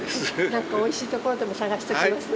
何かおいしいところでも探しておきます。